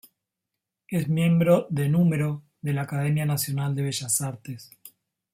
Es miembro de número de la Academia Nacional de Bellas Artes.